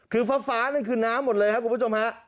คือฟ้านั่นคือน้ำหมดเลยครับคุณผู้ชมฮะ